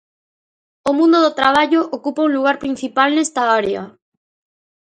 O mundo do traballo ocupa un lugar principal nesta área.